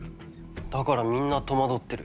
だからみんな戸惑ってる。